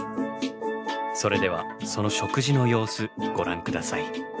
それではその食事の様子ご覧下さい。